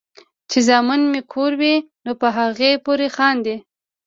چې زامن مې کور وي نو پۀ هغې پورې خاندي ـ